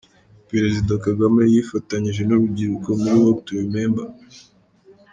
Perezida Kagame yifatanyije n'urubyiruko muri Walk To Remember.